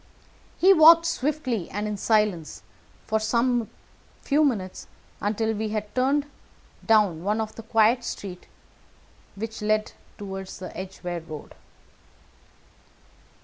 He walked swiftly and in silence for some few minutes, until we had turned down one of the quiet streets which led toward the Edgeware Road.